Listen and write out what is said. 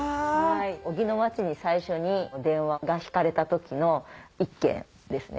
小木の町に最初に電話が引かれた時の一軒ですね。